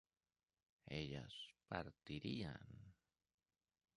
ellas partirían